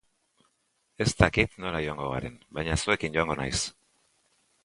Ez dakit nora joango garen, baina zuekin joango naiz.